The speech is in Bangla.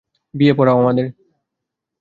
বিয়ে পড়াও আমাদের।